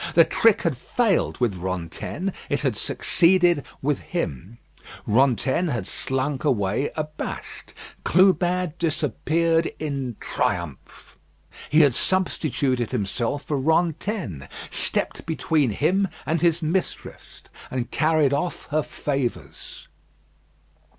The trick had failed with Rantaine; it had succeeded with him. Rantaine had slunk away abashed; Clubin disappeared in triumph. He had substituted himself for Rantaine stepped between him and his mistress, and carried off her favours.